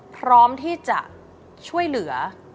พร้อมที่จะช่วยเหลือ